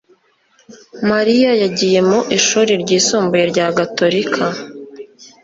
Mariya yagiye mu ishuri ryisumbuye rya Gatolika.